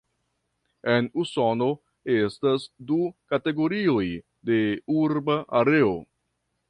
En Usono estas du kategorioj de urba areo.